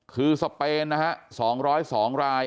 คือสเปนนะครับ๒๐๒ราย